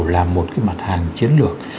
là một cái mặt hàng chiến lược